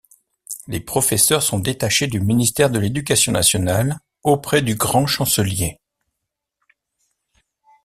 Les professeurs sont détachés du ministère de l'Éducation nationale auprès du grand chancelier.